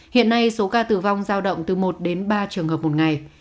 hiện nay số ca tử vong giao động từ một đến ba trường hợp một ngày